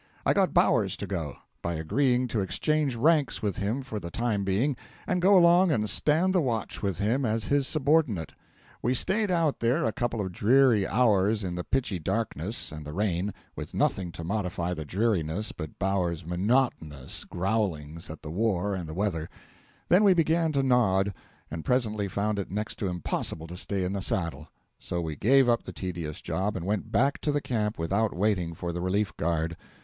I got Bowers to go, by agreeing to exchange ranks with him for the time being, and go along and stand the watch with him as his subordinate. We stayed out there a couple of dreary hours in the pitchy darkness and the rain, with nothing to modify the dreariness but Bowers's monotonous growlings at the war and the weather; then we began to nod, and presently found it next to impossible to stay in the saddle; so we gave up the tedious job, and went back to the camp without waiting for the relief guard.